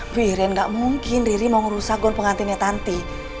biarin ga mungkin riri mau ngerusak gaun pengantinnya tante